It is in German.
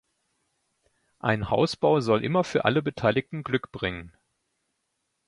Ein Hausbau soll immer für alle Beteiligten Glück bringen.